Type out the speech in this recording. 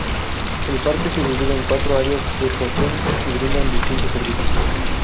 El parque se divide en cuatro áreas que poseen y brindan distintos servicios.